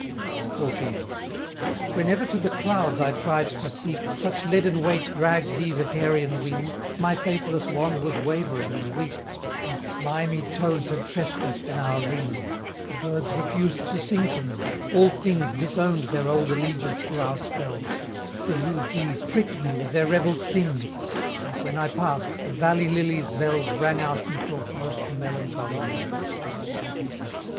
XIV. "Whenever to the clouds I tried to seek, Such leaden weight dragg'd these Icarian wings, My faithless wand was wavering and weak, And slimy toads had trespass'd in our rings The birds refused to sing for me all things Disown'd their old allegiance to our spells; The rude bees prick'd me with their rebel stings; And, when I pass'd, the valley lily's bells Rang out, methought, most melancholy knells."